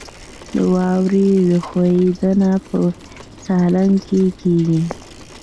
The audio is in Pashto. د واورې ښویدنه په سالنګ کې کیږي